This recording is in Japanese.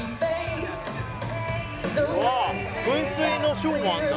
噴水のショーもあるんだ。